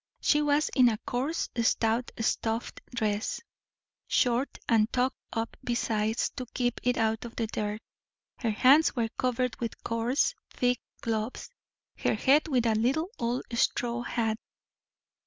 She was in a coarse, stout stuff dress, short, and tucked up besides, to keep it out of the dirt. Her hands were covered with coarse, thick gloves, her head with a little old straw hat.